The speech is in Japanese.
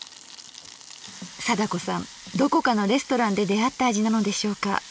貞子さんどこかのレストランで出会った味なのでしょうか。